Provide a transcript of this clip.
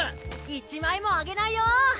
１枚もあげないよ！